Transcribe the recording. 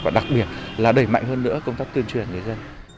và đặc biệt là đẩy mạnh hơn nữa công tác tuyên truyền người dân